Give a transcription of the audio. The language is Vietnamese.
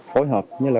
phối hợp với